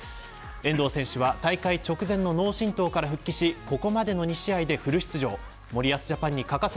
遠藤選手は大会直前の脳振とうから復帰しここまでの２試合でフル出場。